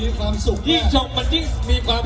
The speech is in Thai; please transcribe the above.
มีความสุขครับไอ้ตีมขุ่นครับ